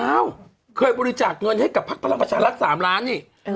ไปเอาบริจาทเงินให้กับภักดาลประชาลรักษณ์สามล้านนี่เออ